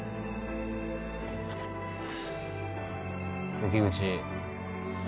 関口。